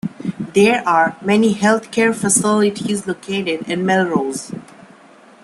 There are many health care facilities located in Melrose.